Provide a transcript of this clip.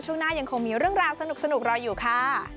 ช่วงหน้ายังคงมีเรื่องราวสนุกรออยู่ค่ะ